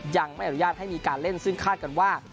ยังไม่อนุญาตให้มีการเล่นซึ่งคาดกันว่า